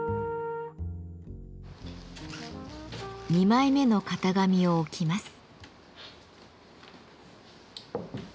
２枚目の型紙を置きます。